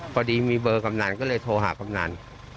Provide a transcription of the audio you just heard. พอดีมีเบอร์กำนันก็เลยโทรหากำนัน